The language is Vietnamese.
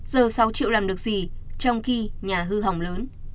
giờ sáu triệu làm được gì trong khi nhà hư hỏng lớn